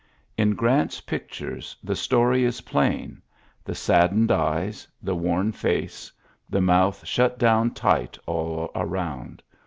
In Grant's pictures the story is plain; the saddened eyes, the worn face^ the mouth shut down tight all around.